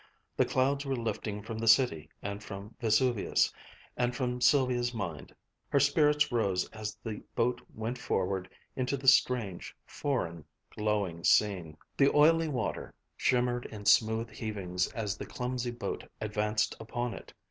The clouds were lifting from the city and from Vesuvius, and from Sylvia's mind. Her spirits rose as the boat went forward into the strange, foreign, glowing scene. The oily water shimmered in smooth heavings as the clumsy boat advanced upon it.